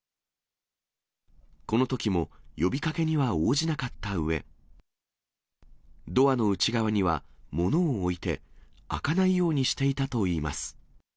このときも呼びかけには応じなかったうえ、ドアの内側には物を置いて、開かないようにしていたといいます。